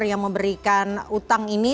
yang memberikan utang ini